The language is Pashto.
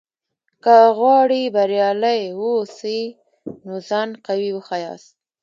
که غواړې بریالی واوسې؛ نو ځان قوي وښیاست!